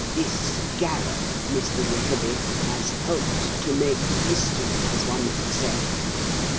"This scarab, Mr. Rickaby, has helped to make history, as one might say.